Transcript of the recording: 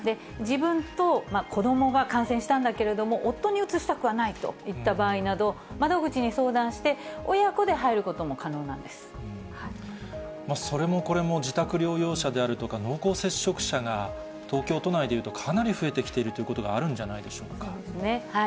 自分と子どもが感染したんだけれども、夫にうつしたくはないといった場合など、窓口に相談して、親子でそれもこれも、自宅療養者であるとか、濃厚接触者が東京都内でいうと、かなり増えてきているということそうですね。